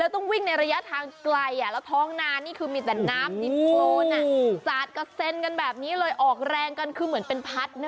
ต้องวิ่งในระยะทางไกลแล้วท้องนานมีแต่น้ำนิสโฟวนศาสตร์กะเซ่นกันแบบนี้ออกแรงกันคือเหมือนเป็นพาร์ทเนอร์